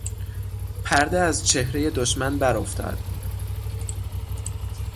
پرده از چهرهٔ دشمن بر افتاد.